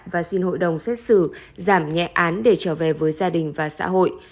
và xin hội đồng xét xử giảm nhẹ án để trở về với gia đình và xã hội